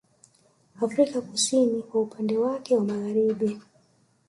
Afrika kusini kwa upande wake wa magharibi